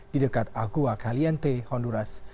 didekat agua caliente honduras